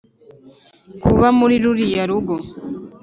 Kuba muri ruriya rugo